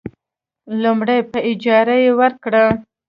لومړی: په اجارې ورکړه.